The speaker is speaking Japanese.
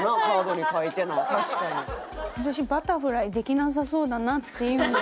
私バタフライできなさそうだなっていうのと。